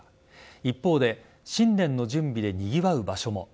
一方で新年の準備でにぎわう場所も。